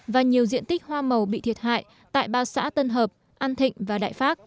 và nhiều diện tích hoa màu bị thiệt hại tại ba xã tân hợp an thịnh và đại pháp